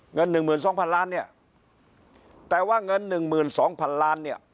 เงินหนึ่งหมื่นสองพันล้านเนี่ยแต่ว่าเงินหนึ่งหมื่นสองพันล้านเนี่ย